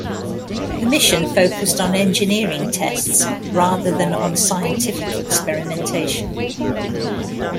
The mission focused on engineering tests rather than on scientific experimentation.